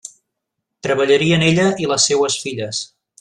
Treballarien ella i les seues filles.